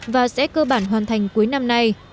và sẽ cơ bản hoàn thành cuối năm nay